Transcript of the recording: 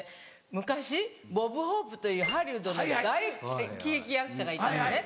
昔ボブ・ホープというハリウッドの大喜劇役者がいたのね。